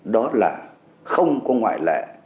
đó là không có ngoại lệ